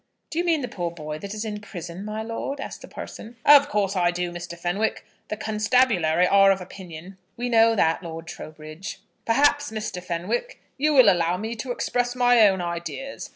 "Do you mean the poor boy that is in prison, my lord?" asked the parson. "Of course I do, Mr. Fenwick. The constabulary are of opinion " "We know that, Lord Trowbridge." "Perhaps, Mr. Fenwick, you will allow me to express my own ideas.